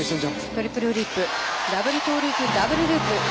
トリプルフリップダブルトーループダブルループ。